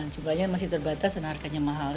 jumlahnya masih terbatas dan harganya mahal